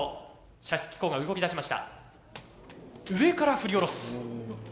上から振り下ろす。